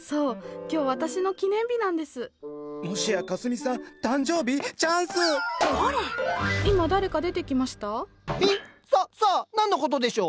ささあ何のことでしょう？